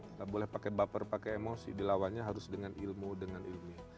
kita boleh pakai baper pakai emosi dilawannya harus dengan ilmu dan ilmu